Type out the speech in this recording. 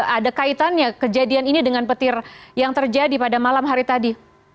ada kaitannya kejadian ini dengan petir yang terjadi pada malam hari tadi